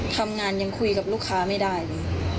ทำงานยังคุยกับลูกค้าไม่ได้เลย